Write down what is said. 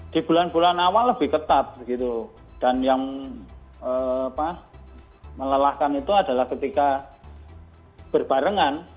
di bulan bulan awal lebih ketat dan yang melelahkan itu adalah ketika berbarengan